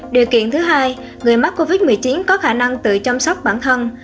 điều kiện thứ hai người mắc covid một mươi chín có khả năng tự chăm sóc bản thân